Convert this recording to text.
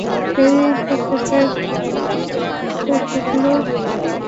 সেই থেকে প্রায় তিন বছর কেটে গেলেও সেগুলোর একটিও ভাঙা হয়নি।